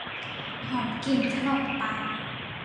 หอมกลิ่นขนมปัง